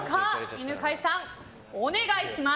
犬飼さん、お願いします。